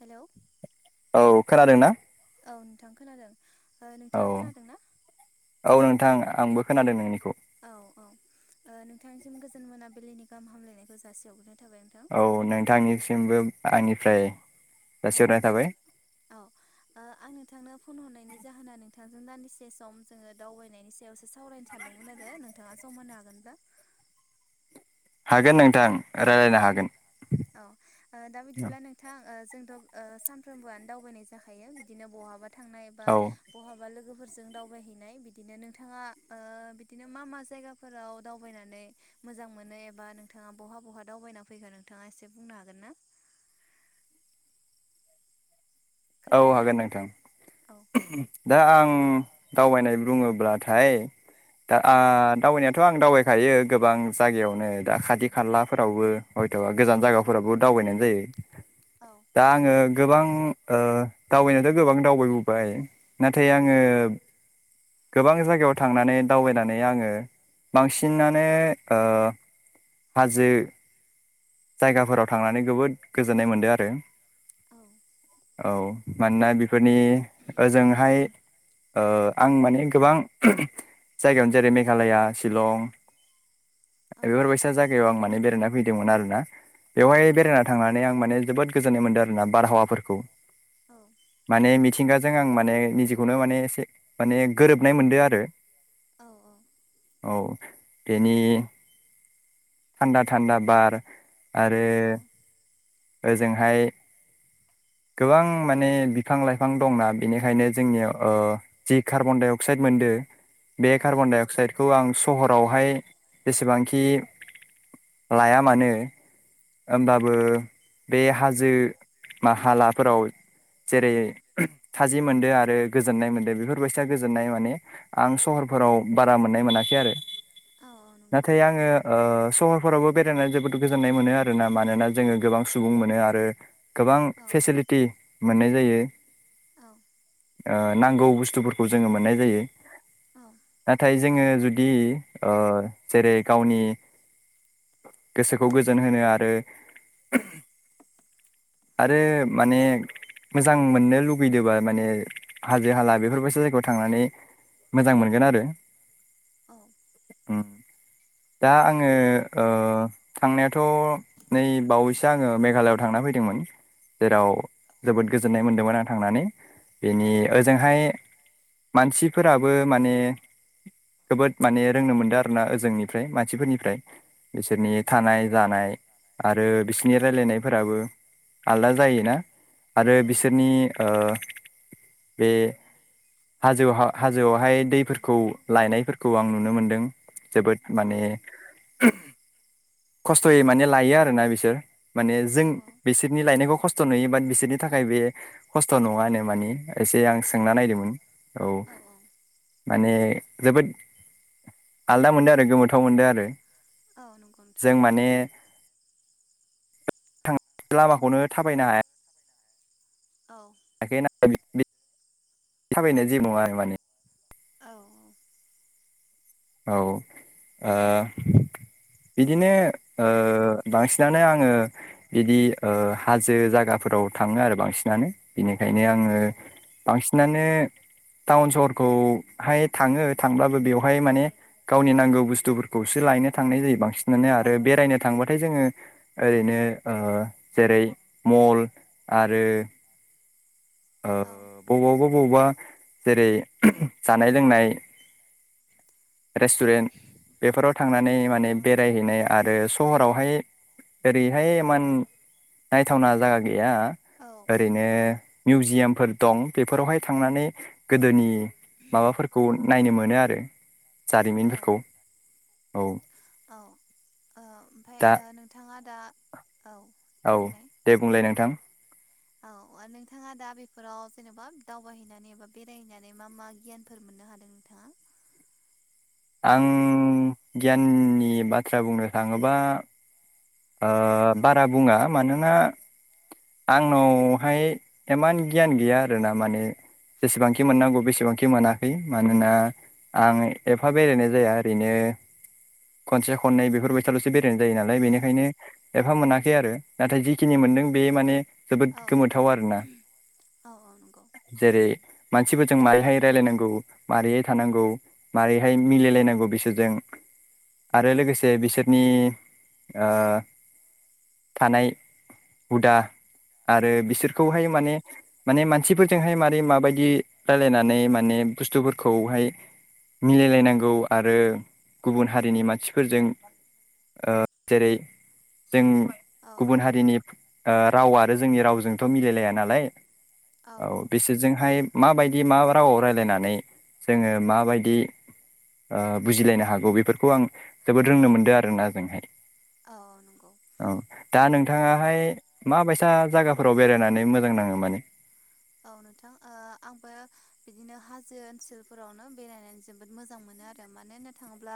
Hello औ खोनादों ना थां खोनादों ओ औ नोंथाङा खोनादों ना औ नोंथां आंबो खोनादों नोंनिखौ औ औ ओ नोंथांनिसिम गोजोन मोनाबिलिनि गाहाम हामलायनायखौ जासिहरग्रोनाय थाबाय नोंथां औ नोंथांनिसिमबो आंनिफ्राय औ जासिहरनाय थाबाय औ आं नोंथांनो फन हरनायनि जाहोना नों नोंथांजों दानदिसे सम जोङो दावबायनायनि सायावसो सावरायनो सानदोंमोन आरो नोंथाङा सम होनो हागोनब्ला [inaudible] हागोन नोंथां रायलायनो औ हागोन औ दा बिदिब्ला नोंथां जोंथ' ओ सानफ्रोमबोआनो दावबायनाय जाखायो बिदिनो बहाबा थांनाय बा औ बहाबा लोगो फोरजों दावबायहैनाय बिदिनो नोंथाङा ओ बिदिनो मा मा जायगाफोराव दावबायनानै मोजां मोनो एबा नोंथाङा बहा बहा दावबायना फैखो नोंथाङा इसे बुंनो हागोन ना औ खोनादों ना हागोन नोंथां औ दा आं दावबायनाय बुङोब्लाथाय दा औ आ दावबायनायाथ' आं दावबाय खायो गोबां जायगायावनो दा खाथि खालाफोरावबो हयथबा गोजान जायगाफोरावबो दावबायनायानो जायो। औ दा आङो गोबां ओ दावबायनायाथ' गोबां दावबायबो बाय नाथाय आङो गोबां जायगायाव थांनानै दावबायनानै आङो बांसिनानो ओ हाजो जायगाफोराव थांनानै जोबोद गोजोननाय मोनदो आरो औ मानोना बेफोरनि ओजोंहाय ओ आं माने गोबां जायगायावनो जेरै मेघालया चिलं [inaudible] बेफोरबायसा जायगायाव आं माने बेरायना फैदोंमोन आरो ना औ बेवहाय बेरायना थांनानै आं माने जोबोद गोजोननाय मोन्दों आरोना बारहावाफोरखौ माने मिथिंगाजों आं माने निजिखौनो माने एसे माने गोरोबनाय मोनदो आरो औ औ बेनि थान्दा थान्दा बार आरो गोजोननाय मोनदों आरोना बारहावाफोरखौ औ ओजोंहाय [inaudible] गोबां माने बिफां लाइफां दंना बेनिखायनो जोंनियाव ओ जि कार्बन डाइ अक्साइड मोनदो औ बे औ कार्बन डाइ अक्साइडखौ आं सहरावहाय जेसेबांखि लाया मानो ओमबाबो बे हाजो बा हालाफोराव औ जेरै थाजिम मोनदो आरो गोजोननाय मोन्दो बेफोरबायसा गोजोननाय माने आं सहरफोराव बारा मोननाय मोनाखै आरो औ नंगौ नाथाय आङो ओ सहर फोरावबो बेरायनानै जोबोद गोजोननाय मोनो आरोना मानोना जोङो गोबां सुबुं मोनो आरो गोबां औ फेसिलिटि मोननाय जायो औ ओ नांगौ बुस्थुफोरखौ जोङो मोननाय जायो औ नाथाय जोङो जुदि ओ जेरै गावनि गोसोखौ गोजोन होनो आरो औ आरो माने मोजां मोननो लुगैदोंबा माने हाजो हाला बेफोरबायदि जायगायाव थांनानै मोजां मोनगोन आरो ओम [inaudible] दा आङो ओ थांनायाथ' नै बावैसो आङो मेघालयआव थांना फैदोंमोन। जेराव जोबोद गोजोननाय मोनदोंमोन आं थांनानै बेनि ओजोंहाय मानसिफोराबो माने जोबोद माने ओ रोंनो मोनदों आरो ना ओजोंनिफ्राय मानसिफोरनिफ्राय। बिसोरनि थानाय जानाय आरो बिसोरनि रायलायनायफोराबो आलदा जायोना आरो बिसोरनि ओ बे हाजौहा हाजोआवहाय दैफोरखौ लायनायफोरखौ आं नुनो मोनदों जोबोद माने खस्थयै माने लायो आरो ना बिसोर माने जों बेसे थायनायखौ खस्थ' नुयो बाट बिसोरनि थाखाय बे खस्थ' नङानो मानि एसे आं औ सोंना नायदोंमोन। औ आलदा मोनदों आरो गोमोथाव मोनदों आरो औ नंगौ नोंथां। जों माने थां लामाखौनो थाबायनो हाया औ नाखै न थाबायनाय जे नङा माने औ औ आ बिदिनो ओ बांसिनानो आङो बिदि ओ हाजो जायगा फोराव थाङो आरो बांसिनानो बिनिखायनो आङो औ बांसिन माने टाउन सहरखौहाय थाङो थांब्लाबो बेवहाय माने गावनि नांगौ बुस्थुफोरखौसो लायनो थांनाय जायो बांसिनानो आरो बेरायनो थांबाथाय जोङो ओरै बिदिनो ओ जेरै मल आरो औ बबावबा बबावबा जेरै जानाय लोंनाय रेस्टुरेन्ट बेफोराव थांनानै माने बेरायहैनाय आरो सहरावहाय ओरैहाय इमान नायथावना औ जायगा गैया ओरैनो मिउजियामफोर दं बेफोरावहाय थांनानै गोदोनि माबाफोरखौ नायनो मोनो आरो औ जारिमिनफोरखौ औ औ ओ ओमफ्राय दा नोंथाङा दा औ दे औ बुंनाय दे बुंलाय नोंथां। औ नोंथाङा दा बेफोराव जेनेबा दावबायहैनानै एबा बेरायहैनानै मा मा गियानफोर मोन मोननो हादों नोंथाङा आं गियाननि बाथ्रा बुंनो थाङोबा ओ बारा बुङा मानोना ा [inaudible] आंनावहाय इमान गियान गैया आर ना माने जेसेबांखि मोननांगौ बेसेबांखि मोनाखै मानोना आं एफा बेरायनाय जाया ओरैनो खनसे खननै बेफोरबायसालसो बेरायनाय जायो नालाय बेनिखायनो एफा मोनाखै आरो नाथाय जिखिनि मोन मोनदों बे माने जोबोद औ गोमोथाव आरोना औ नंगौ जेरै मानसिफोरजों मारोरैहाय रायलायनांगौ माबारैहाय थानांगौ मारै बेहाय मिलायलायनांगौ बिसोरजों आरो औ लोगोसे बिसोरनि ओ थानाय हुदा आरो औ बिसोरखौहाय माने माने मानसिफोरजोंहाय मारै माबायदि रायलायनानै माने बुस्थुफोरखौहाय मिलायलायनांगौ आरो गुबुन हारिनि मानसिफोरजों ओ जेरै जों गुबुन हारिनि ओ राव आरो जोंनि रावजोंथ' मिलायलाया नालाय औ बिसोरजोंहाय माबायदि मा रावआव रायलायनानै जोङो माबायदि ओ बुजिलायनो हागौ बेफोरखौ आं जोबोद रोंनो मोनदों आरोना ओजोंहाय। औ नंगौ औ दा औ नोंथाङाहाय माबायसा सा जायगाफोराव बेरायनानै मोजां नाङो माने? औ नोंथां ओ आंबो बिदिनो हाजो ओनसोलफोरावनो बेरायनानै जोबोद मोजां मोन मोनो आरो मानो होननो थाङोब्ला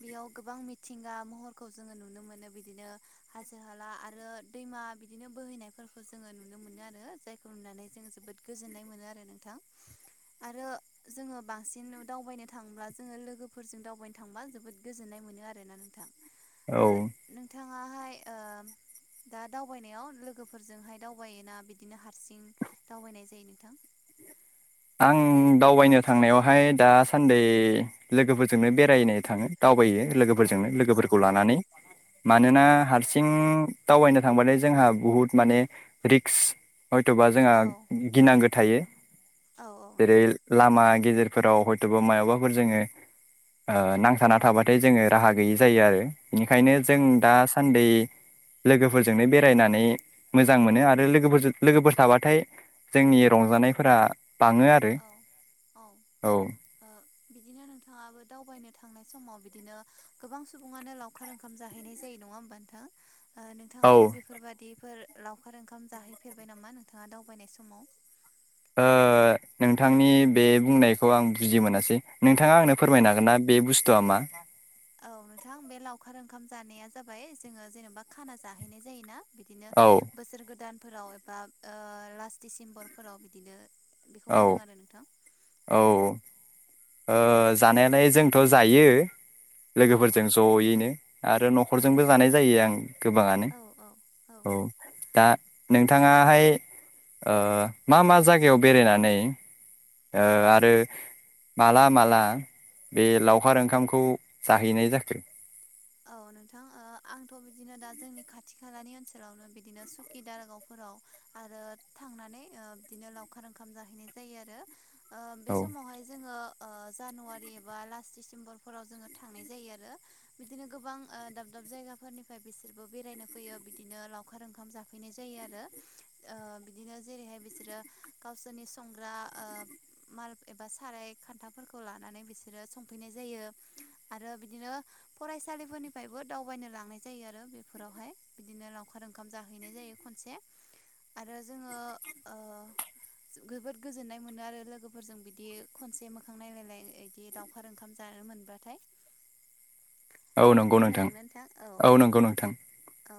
बेयाव गोबां मिथिंगा महरखौ जोङो नुनो मोनो बिदिनो हाजो हाला आरो दैमा बिदिनो बोहैनायफोरखौ जोङो नुनो मोनो आरो जायखौ नुनानै जों जोबोद गोजोननाय मोनो आरो नोंथां आरो जोङो बांसिन दावबायनो थांब्ला जोङो लोगोफोरजों दावबायनो थांबा जोबोद गोजोननाय मोनो आरोना नोंथां ओ औ नोंथाहाय ओ दा दावबायनायाव लोगोफोरजोंहाय दावबायोना बिदिनो हारसिं दावबायनाय जायो नोंथां? आं दावबायनो थांनायावहाय दासान्दि लोगोफोर जोंनो औ बेरायनो थाङो दावबायो औ लोगोफोरजोंनो लोगोफोरखौ लानानै मानोना औ हारसिं दावबायनो थांबालाय जोंहा बुहुद माने रिक्स हयथ'बा जोंहा औ गिनांगौ थायो। औ जेरै नंगौ लामा गेजेरफोराव हयथ'बा मायावबाफोर जोङो ओ नांथाना औ थाबाथाय जोङो राहा गैयै जायो आरो इनिखायनो जों दासान्दि नंगौ लोगोफोरजोंनो बेरायनानै मोजां मोनो आरो लोगोफोरजों लोगोफोर थाबाथाय जोंनि रंजानायफोरा बाङो आरो औ औ ओ औ बिदिनो नोंथाङाबो दावबायनो थांनाय समाव बिदिनो गोबां सुबुङानो लावखार ओंखाम जाहैनाय जायो। नङा होनबा नोंथां ओ औ नोंथांआबो बेफोर बादि बेफोर लावखार ओंखाम जाहैफेरबाय नामा नोंथाङा दावबायनाय समाव? ओ नोंथांनि बे बुंनायखौ आं बुजि मोनासै नोंथाङा आंनो औ फोरमायनो हागोन ना बे बुस्थुआ मा? औ नोंथां बे लावखार ओंखाम जानाया जाबाय जोङो जेनेबा खाना जाहैनाय जायोना बिदिनो औ बोसोर गोदानफोराव एबा ओ लास्ट डिसेम्बरफोराव बिदिनो बेखौ औ होनदों आरो नोंथां औ। ओ जानायालाय जोंथ' जायो। औ लोगोफोरजों ज'यैनो आरो औ न'खरजोंबो जानाय जायो आं गोबाङानो। औ औ दा नोंथाङाहाय ओ मा मा जायगायाव बेरायनानै औ ओ आरो माला माला बे लावखार ओंखामखौ जाहैनाय जाखो? औ नोंथां ओ आंथ' बिदिनो दा जोंनि खाथि खालानि ओनसोलावनो बिदिनो सुकि दारागावफोर गाव आरो थांनानै ओ बिदिनो लावखार ओंखाम जाहैनाय जायो आरो। ओ बे औ समावहाय जोङो ओ जानुवारि एबा लास्ट डिसेम्बरफोराव जोङो थांनाय जायो आरो। बिदिनो गोबां ओ दाब दाब जायगाफोरनिफ्राय बिसोरबो बेरायनो फैयो बिदिनो लावखार ओंखाम जाफैनाय जायो। बिदि आरो ओ बिदिनो जेरैहाय बिसोरो गावसोरनि संग्रा ओ माल एबा साराय खान्थाफोरखौ लानानै बिसोरो संफैनाय जायो आरो बिदिनो फरायसालिफोरनिफ्रायबो दावबायनो लांनाय जायो आरो बेफोरावहाय बिदिनो लावखार ओंखाम जाहैनाय जायो। मोनसे आरो जोङो ओ जो गोबोद गोजोननाय मोनो आरो लोगोफोरजों बिदि खनसे मोखां नायलायनाय इदि लावउखार ओंखाम जान ओ मोनबाथाय औ नंगौ नोंथां औ नंगौ नोंथां। औ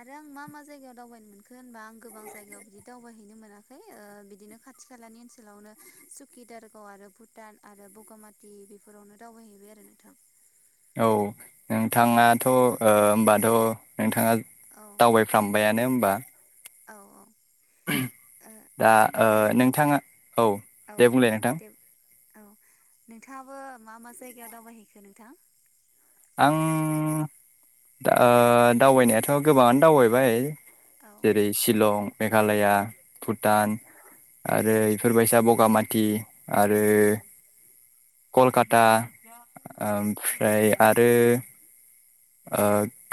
आरो आं मा मा जायगायाव दावबायनो मोनखो होनबा आं गोबां जायगायाव बिदि दावबायहैनो मोनाखै ओ बिदिनो खाथि खालानि ओनसोलावनो सुकि दारागाव आरो भुटान आरो बगामाथि बेफोरावनो दाव बायहैबाय आरो नोंथां औ औ नोंथाङाथ' होमबाथ' नोंथाङा औ दावबायफ्रामबयानो होमबा औ औ ओ दा आरो नोंथाङा औ दे बुंलाय नोंथां दे औ नोंथाङाबो मा मा जायगायाव दावबायहैखो नोंथां आं दावबायनायाथ' गोबाङानो दावबायबाय औ जेरै शिलं मेघालया औ भुटान आरो इफोरबायसा बगामाथि आरो कलकाता ओमफ्राय आरो ओ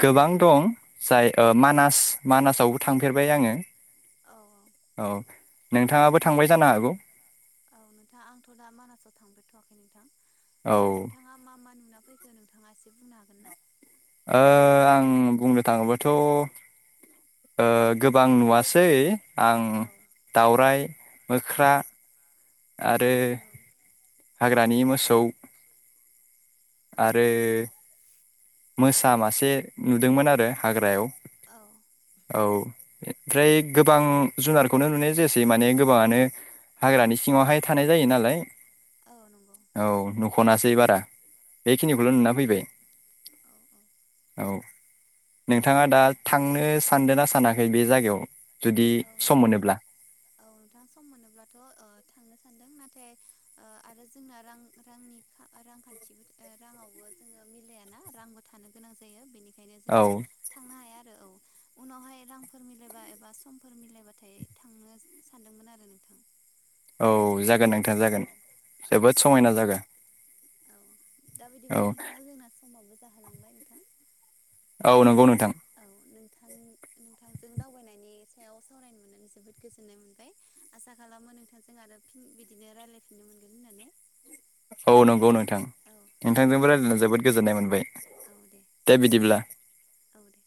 गोबां दं जाय ओ औ मानास मानासआवबो थांफेरबाय आंङो औ। औ नोंथाङाबो थांबाय जानो हागौ औ नोंथा आंथ' दा मानासाव थांफेरथ'वाखै नोंथां ओ नोंथाङा मा मा नुना फैखो नोंथाङा एसे बुंनो हागोन ना ओ आं बुंनो थाङोबाथ' ओ गोबां नुवासै आं औ दावरायाइ मोख्रा आरो हाग्रानि मोसौ औ आरो मोसा मासे नुदोंमोन आरो हाग्रायाव औ। औ ओमफ्राय गोबां जुनारखौनो नुनाय जायसै माने गोबाङानो हाग्रानि सिङावहाय थानाय जायो नालाय औ नंगौ औ नख'नासै बारा औ बेखिनिखौल' नुना फैबाय औ औ औ नोंथाङा दा थांनो सानदों ना सानाखै बे जायगायाव जुदि औ सम नोंथां मोनोब्ला औ नोंथां सम मोनोब्लाथ' थांनोसै सान्दों नाथाय आरो जोंना रां रांनि रांखान्थिबो राङावबो जोङो मिलायाना रांबो थानो गोनां जायो बेनिखाय बेखायनो औ जोंङो थांनो हाया आरो औ उनावहाय रांफोर मिलायबा एबा सम फोर मिलायबाथाय थांनो सानदोंमोन आरो नोंथां औ जागोन नोंथा औ जागोन औ जोबोद समायना जायगा औ दा औ बिदिब्ला नोंथां जोंना समावबो जाहोलांबाय नोंथां औ नंगौ नोंथां औ [inaudible] नोंथांजों दावबायनायनि सायाव सावरायनो मोननानै जोबोद गोजोननाय मोनबाय आसा खालामो नोंथांजों आरो फिन बिदिनो रायज्लायफिननो मोनगोन होननानै औ नंगौ नों नोंथां औ दे नोंथांजोंबो बिदिब्ला रायजल्लायनानै नोंथां जोबोद गोजोननाय मोनबाय दे बिदिब्ला। औ दे।